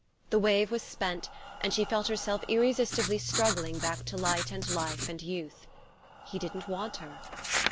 The wave was spent, and she felt herself irresistibly struggling back to light and life and youth. He didn't want her!